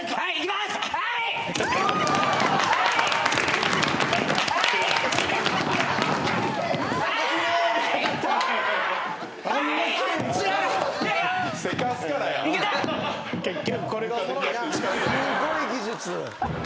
「すごい技術」